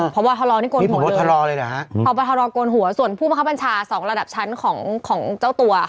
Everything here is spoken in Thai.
พอบทฤลล์เนี่ยโกนหัวเลยนะฮะส่วนผู้บัญชา๒ระดับชั้นของเจ้าตัว